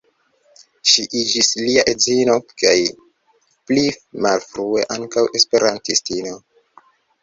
Ŝi iĝis lia edzino kaj pli malfrue ankaŭ esperantistino.